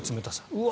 うわ！